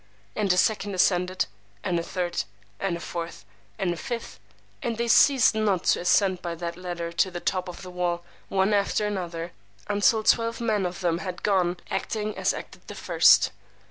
And a second ascended, and a third, and a fourth, and a fifth; and they ceased not to ascend by that ladder to the top of the wall, one after another, until twelve men of them had gone, acting as acted the first.